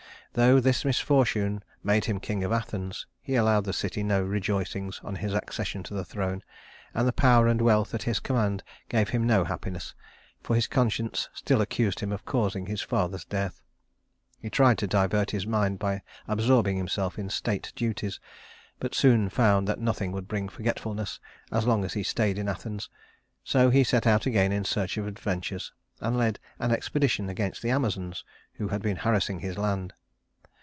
Though this misfortune made him king of Athens, he allowed the city no rejoicings on his accession to the throne; and the power and wealth at his command gave him no happiness, for his conscience still accused him of causing his father's death. He tried to divert his mind by absorbing himself in state duties, but soon found that nothing would bring forgetfulness as long as he stayed in Athens; so he set out again in search of adventures, and led an expedition against the Amazons, who had been harassing his land.